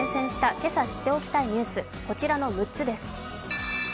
今朝知っておきたいニュース、こちらの６つです。